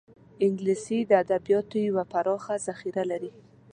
انګلیسي د ادبیاتو یوه پراخه ذخیره لري